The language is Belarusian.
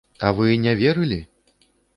А вы не верылі?